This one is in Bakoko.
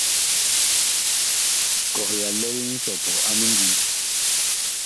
Kɔh ya lɛl nsɔpɔ a mindim.